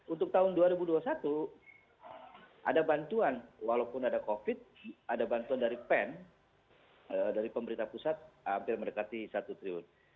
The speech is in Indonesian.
untuk tahun dua ribu dua puluh satu ada bantuan walaupun ada covid ada bantuan dari pen dari pemerintah pusat hampir mendekati satu triliun